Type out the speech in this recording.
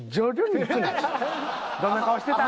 「どんな顔してたん？」